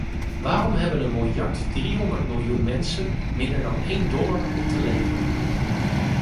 Waarom hebben een miljard driehonderd miljoen mensen minder dan één dollar om te leven?